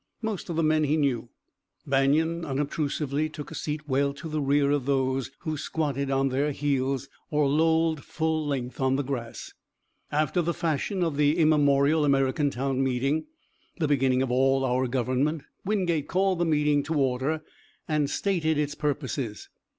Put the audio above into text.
Most of the men he knew. Banion unobtrusively took a seat well to the rear of those who squatted on their heels or lolled full length on the grass. After the fashion of the immemorial American town meeting, the beginning of all our government, Wingate called the meeting to order and stated its purposes.